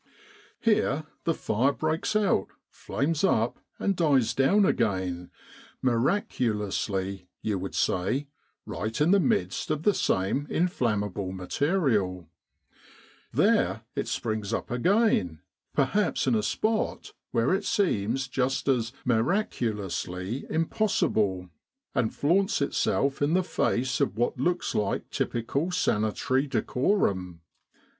Here the fire breaks out, flames up, and dies down again miraculously, you would say right in the midst of the same inflammable material. 183 With the R.A.M.C. in Egypt There it springs up again, perhaps in a spot where it seems just as miraculously impossible, and flaunts itself in the face of what looks like typical sanitary decorum.